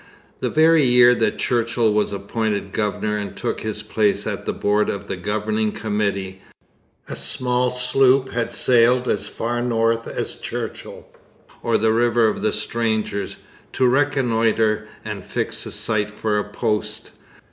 The very year that Churchill was appointed governor and took his place at the board of the Governing Committee, a small sloop had sailed as far north as Churchill, or the River of the Strangers, to reconnoitre and fix a site for a post.